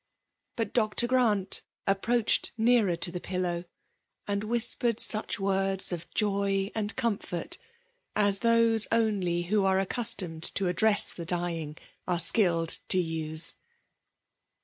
But Dr. Grant approached nearer to tht 128 rsHAi.^ i9bMrfvA^d5. piltexv, and whispered such words of j6y atid comfort as those only who are accustomed to • address the dying, are skilled to use.